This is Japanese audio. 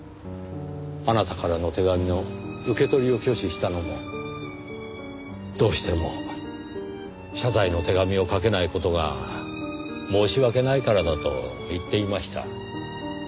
あなたからの手紙の受け取りを拒否したのもどうしても謝罪の手紙を書けない事が申し訳ないからだと言っていました。